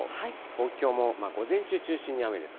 東京も午前中中心に雨です。